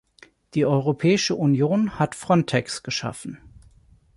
Die Europäische Union hat Frontex geschaffen.